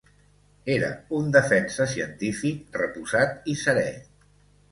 Era un defensa científic, reposat i seré.